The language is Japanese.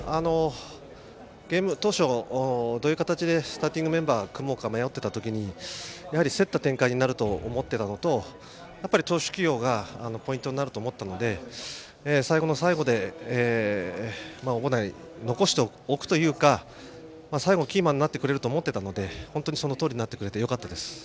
ゲーム当初、どういう形でスターティングメンバーを組もうか迷っていた時競った展開になると思っていたのと、投手起用がポイントになると思ったので最後の最後で小保内を残しておくというか最後のキーマンになってくれると思っていたので本当にそのとおりになってくれてよかったです。